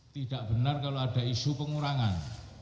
tidak benar kalau ada isu pengurangan